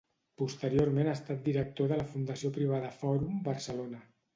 Posteriorment ha estat director de la Fundació Privada Fòrum Barcelona.